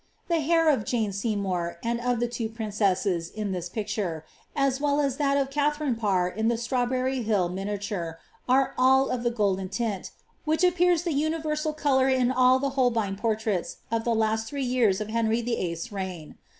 The hair of Jane Seymonr. and of the two princesses, in this picture, as well as that of Kailianne Parr in the Sirawborry Hill miniature, are all of the golden tint, vrhich ap{>ears the universal colour in all the Holbein portraits of the last three years (»f Henry VIII.'s reign.